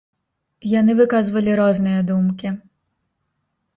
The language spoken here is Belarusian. Яны выказвалі розныя думкі.